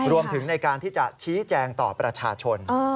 รวมถึงในการที่จะชี้แจงต่อประชาชน